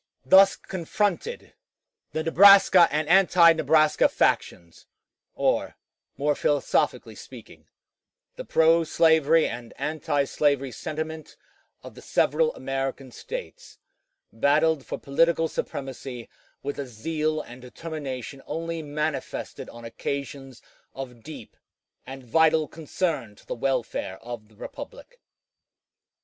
Thus confronted, the Nebraska and anti Nebraska factions, or, more philosophically speaking, the pro slavery and antislavery sentiment of the several American States, battled for political supremacy with a zeal and determination only manifested on occasions of deep and vital concern to the welfare of the republic.